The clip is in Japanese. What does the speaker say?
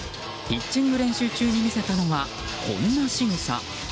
ピッチング練習中に見せたのはこんなしぐさ。